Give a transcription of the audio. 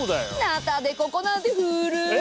ナタデココなんて古い。